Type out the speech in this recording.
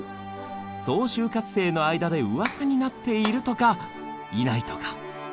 そう就活生の間でうわさになっているとかいないとか。